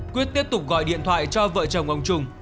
quyết tiếp tục gọi điện thoại cho vợ chồng ông trung